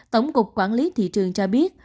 tổng cục quản lý thị trường cho biết